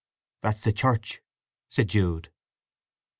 "That's the church," said Jude.